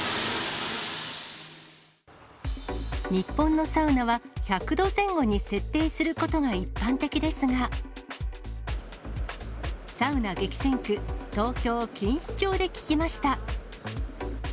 日本のサウナは、１００度前後に設定することが一般的ですが、サウナ激戦区、東京・錦糸町で聞きました。